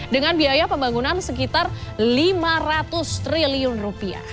dengan biaya pembangunan sekitar lima ratus triliun rupiah